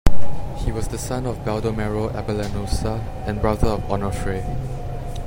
He was the son of Baldomero Abellanosa and brother of Onofre.